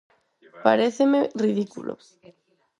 Paréceme ridículo.